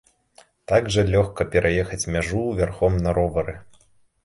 Так жа лёгка пераехаць мяжу вярхом на ровары!